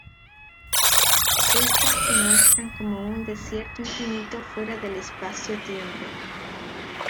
Estas se muestran como un desierto infinito fuera del Espacio-tiempo.